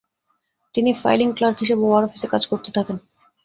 তিনি filing clerk হিসেবে war অফিসে কাজ করতে থাকেন।